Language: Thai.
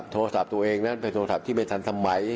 โทรศัพท์ตัวเองนั้นเป็นโทรศัพท์ที่ไม่ทันสมัย